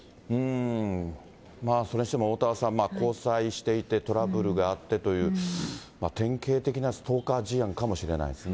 それにしてもおおたわさん、交際していて、トラブルがあってという、典型的なストーカー事案かもしれないですね。